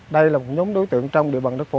đây là một nhóm đối tượng trong địa bằng đức phổ